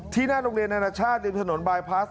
หน้าโรงเรียนนานาชาติริมถนนบายพลาส